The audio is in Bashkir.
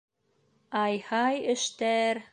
Ай-һай эштәр!